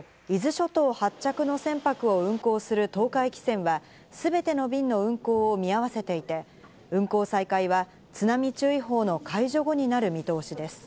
一方、伊豆諸島発着の船舶を運航する東海汽船は全ての便の運航を見合わせていて、運航再開は津波注意報の解除後になる見通しです。